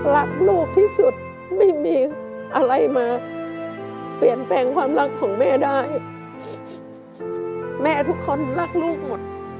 รักลูกที่สุดไม่มีอะไรมาเปลี่ยนแปลงความรักของแม่ได้แม่ทุกคนรักลูกหมด